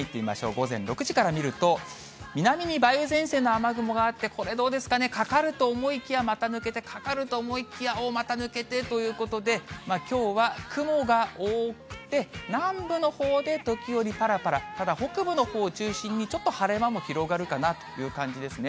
午前６時から見ると、南に梅雨前線の雨雲があって、これ、どうですかね、かかると思いきや、また抜けて、かかると思いきや、また抜けてということで、きょうは雲が多くて南部のほうで時折ぱらぱら、ただ北部のほうを中心に、ちょっと晴れ間も広がるかなという感じですね。